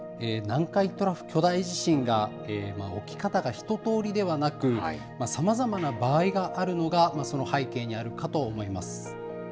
南海トラフ巨大地震が、起き方が一とおりではなく、さまざまな場合があるのが、その背景にあるかと思います。